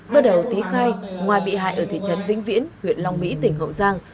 bước đầu tý khai ngoài bị hại ở thị trấn vĩnh viễn huyện long mỹ tỉnh hậu giang